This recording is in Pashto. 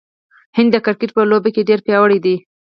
هند د کرکټ په لوبه کې ډیر پیاوړی دی.